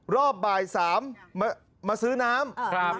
รอบบ่าย๓มาซื้อน้ำ